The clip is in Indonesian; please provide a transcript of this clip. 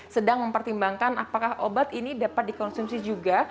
sedang mempertimbangkan apakah obat ini dapat dikonsumsi juga